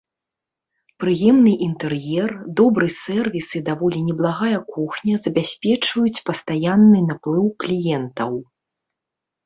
Прыемны інтэр'ер, добры сэрвіс і даволі неблагая кухня забяспечваюць пастаянны наплыў кліентаў.